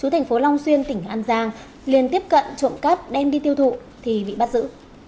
thành phố long xuyên tỉnh an giang liên tiếp cận trộm cắp đem đi tiêu thụ thì bị bắt giữ